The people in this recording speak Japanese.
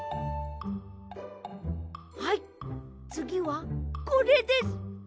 はいつぎはこれです！